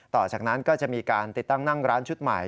ต่อจากนั้นก็จะมีการติดตั้งนั่งร้านชุดใหม่